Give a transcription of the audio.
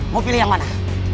mau pilih yang mana